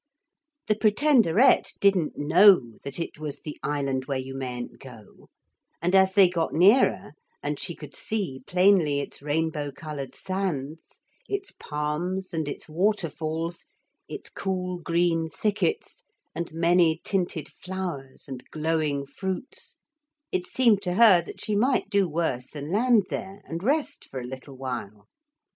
The Pretenderette didn't know that it was the Island where you mayn't go, and as they got nearer and she could see plainly its rainbow coloured sands, its palms and its waterfalls, its cool green thickets and many tinted flowers and glowing fruits, it seemed to her that she might do worse than land there and rest for a little while.